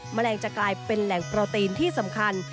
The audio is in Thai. แมลงจะกลายเป็นแหล่งโปรตีนที่สำคัญ